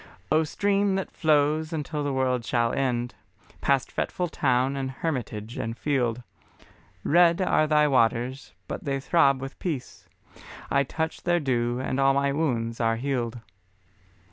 O Stream that flows until the world shall end, Past fretful town and hermitage and field, Red are thy waters, but they throb with peace; I touch their dew and all my wounds are healed.